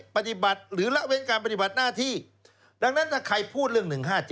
ปฏิบัติหรือละเว้นการปฏิบัติหน้าที่ดังนั้นถ้าใครพูดเรื่อง๑๕๗